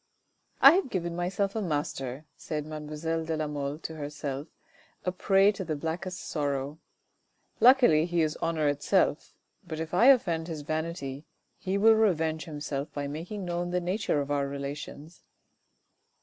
" I have given myself a master," said mademoiselle de la Mole to herself, a prey to the blackest sorrow. " Luckily he is honour itself, but if I offend his vanity, he will revenge himself by making known the nature of our relations."